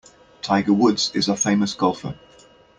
Tiger Woods is a famous golfer.